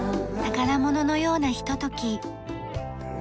宝物のようなひととき。